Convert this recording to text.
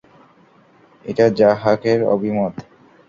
এটা যাহহাকের অভিমত।